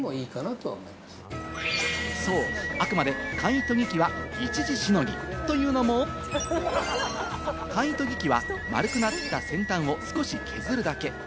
あくまで簡易研ぎ器は一時しのぎというのも、簡易研ぎ器は丸くなった先端を少し削るだけ。